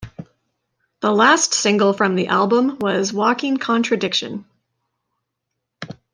The last single from the album was "Walking Contradiction".